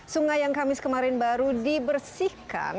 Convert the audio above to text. sungai yang kamis kemarin baru dibersihkan